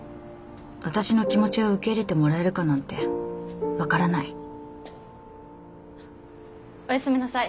私の気持ちを受け入れてもらえるかなんて分からないおやすみなさい。